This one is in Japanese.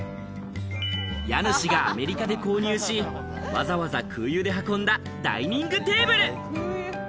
家主がアメリカで購入し、わざわざ空輸で運んだダイニングテーブル。